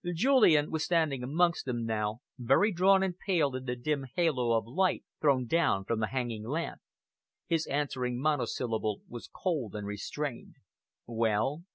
Julian was standing amongst them now, very drawn and pale in the dim halo of light thrown down from the hanging lamp. His answering monosyllable was cold and restrained. "Well?"